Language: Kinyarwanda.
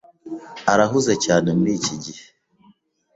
arahuze cyane muriki gihe.